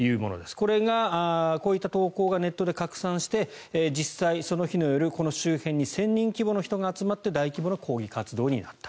これがこういった投稿がネットで拡散して実際、その日の夜、この周辺に１０００人規模の人が集まって大規模な抗議活動になった。